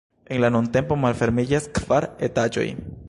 En la nuntempo malfermiĝas kvar etaĝoj.